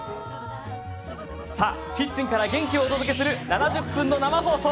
キッチンから元気をお届けする７０分の生放送。